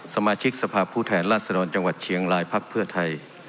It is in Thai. สมาชิกสภาพผู้แทนราชินฐานจังหวัดเชียงรายเพราะไทย